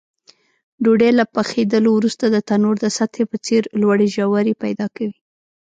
ډوډۍ له پخېدلو وروسته د تنور د سطحې په څېر لوړې ژورې پیدا کوي.